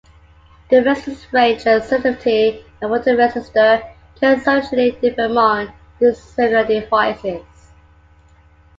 The resistance range and sensitivity of a photoresistor can substantially differ among dissimilar devices.